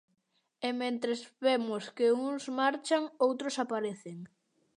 E mentres vemos que uns marchan, outros aparecen.